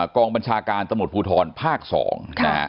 กองบัญชาการตำรวจภูทรภาค๒นะฮะ